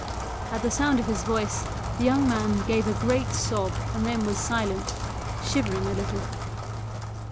At the sound of his voice the young man gave a great sob and then was silent, shivering a little.